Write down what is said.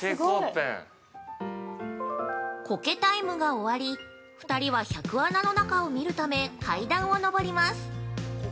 ◆コケタイムが終わり、２人は百穴の中を見るため階段を上ります。